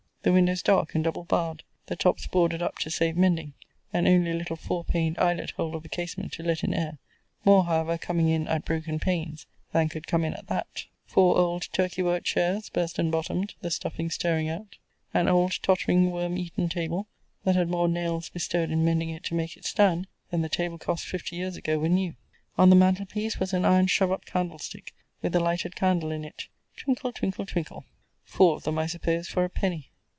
The windows dark and double barred, the tops boarded up to save mending; and only a little four paned eyelet hole of a casement to let in air; more, however, coming in at broken panes than could come in at that. Four old Turkey worked chairs, bursten bottomed, the stuffing staring out. An old, tottering, worm eaten table, that had more nails bestowed in mending it to make it stand, than the table cost fifty years ago, when new. On the mantle piece was an iron shove up candlestick, with a lighted candle in it, twinkle, twinkle, twinkle, four of them, I suppose, for a penny.